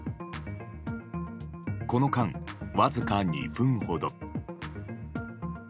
この間、わずか２分ほど。